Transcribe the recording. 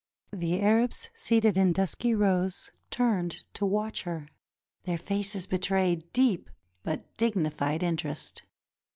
The Arabs seated in dusky rows turned to watch her. Their faces betrayed deep but dignified interest.